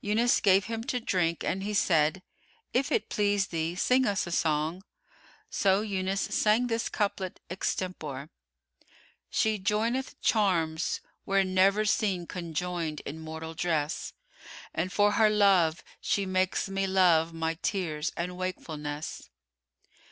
Yunus gave him to drink and he said, "If it please thee, sing us a song." So Yunus sang this couplet extempore:— She joineth charms were never seen conjoined in mortal dress: * And for her love she makes me love my tears and wakefulness.